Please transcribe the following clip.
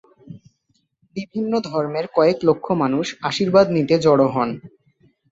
বিভিন্ন ধর্মের কয়েক লক্ষ মানুষ আশীর্বাদ নিতে জড়ো হন।